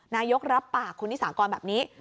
นายกรับปากคุณนิสากรแบบนี้